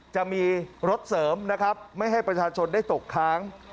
จะมีรถเสริมนะครับไม่ให้ประชาชนได้ตกค้าง